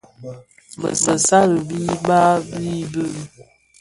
Bëssali baà di bi.